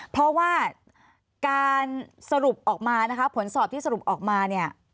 เพราะว่าการสรุปออกมานะคะผลสอบที่สรุปออกมาเนี่ย